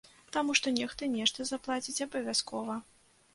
Таму што нехта нешта заплаціць абавязкова.